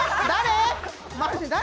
誰！？